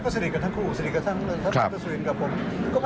ก็สดิกกันทั้งคู่สดิกกันทั้งรถทรัพย์สุรินทร์กับผม